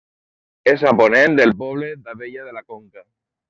És a ponent del poble d'Abella de la Conca.